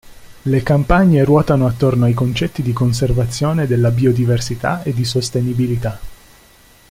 Le campagne ruotano attorno ai concetti di conservazione della biodiversità e di sostenibilità.